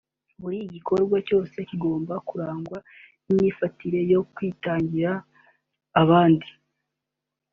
Buri gikorwa cyose kigomba kurangwa n’imyifatire yo kwitangira abandi